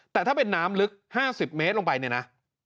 แต่ถ้าเป็นน้ำลึก๕๐เมตรลงไปเนี่ยนะ